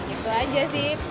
itu aja sih